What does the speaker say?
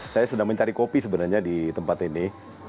saya sedang mencari kopi sebenarnya di tempat ini